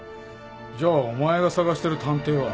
じゃあお前が捜してる探偵は。